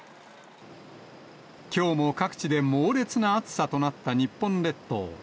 きょうも各地で猛烈な暑さとなった日本列島。